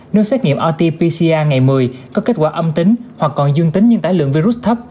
nơi xét nghiệm rt pcr ngày một mươi có kết quả âm tính hoặc còn dương tính nhưng tải lượng virus thấp